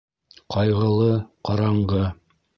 Ҡайғылы, ҡараңғы